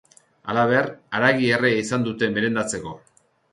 Halaber, haragi errea izan dute merendatzeko.